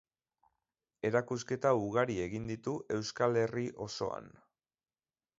Erakusketa ugari egin ditu Euskal Herri osoan.